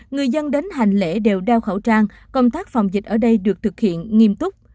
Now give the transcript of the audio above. người dân đến hành lễ đều đeo khẩu trang công tác phòng dịch ở đây được thực hiện nghiêm túc